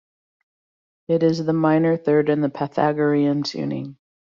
It is the minor third in Pythagorean tuning.